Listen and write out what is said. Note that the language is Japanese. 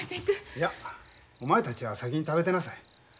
いやお前たちは先に食べてなさい。